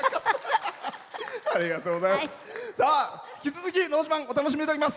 引き続き「のど自慢」お楽しみいただきます。